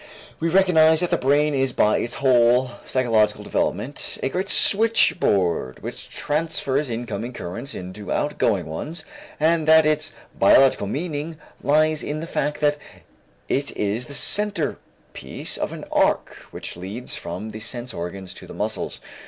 We recognized that the brain is by its whole psychological development a great switchboard which transfers incoming currents into outgoing ones and that its biological meaning lies in the fact that it is the center piece of an arc which leads from the sense organs to the muscles.